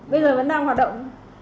bây giờ vẫn đang hoạt động